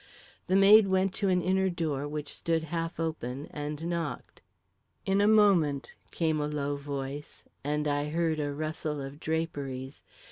The maid went to an inner door which stood half open, and knocked. "In a moment," called a low voice, and I heard a rustle of draperies.